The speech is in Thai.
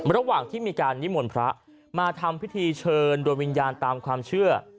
ระหว่างที่มีการนิมนต์พระมาทำพิธีเชิญโดยวิญญาณตามความเชื่อ